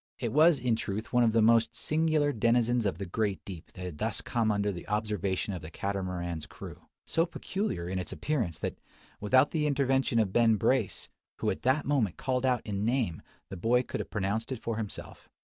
It was, in truth, one of the most singular denizens of the great deep that had thus come under the observation of the Catamaran's crew, so peculiar in its appearance that, without the intervention of Ben Brace, who at that moment called out in name, the boy could have pronounced it for himself.